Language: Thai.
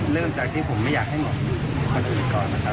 เริ่มจากที่ผมไม่อยากให้หมดคนอื่นก่อนนะครับ